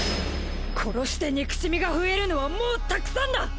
殺して憎しみが増えるのはもうたくさんだ！